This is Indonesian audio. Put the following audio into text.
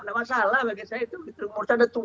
tidak masalah bagi saya itu umur saya sudah tua